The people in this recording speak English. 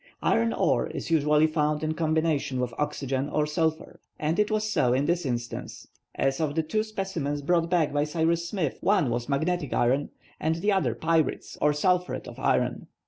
Iron ore is usually found in combination with oxygen or sulphur. And it was so in this instance, as of the two specimens brought back by Cyrus Smith one was magnetic iron, and the other pyrites or sulphuret of iron.